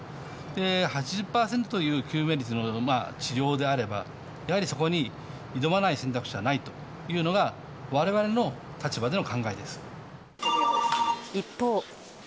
８０％という救命率の治療であれば、やはりそこに挑まない選択肢はないというのが、われわれの立場で一方。